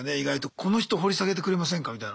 この人掘り下げてくれませんかみたいな。